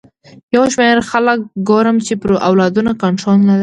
یو شمېر خلک ګورم چې پر اولادونو کنټرول نه لري.